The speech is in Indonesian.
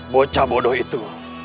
bocah bodoh itu